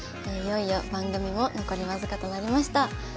いよいよ番組も残り僅かとなりました。